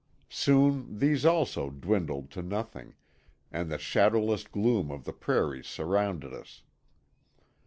Soon these also dwindled to nothing, and the shadowless gloom of the prairies surrounded us.